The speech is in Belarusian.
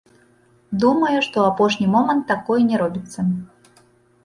Думаю, што ў апошні момант такое не робіцца.